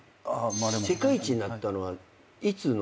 世界一になったのはいつの。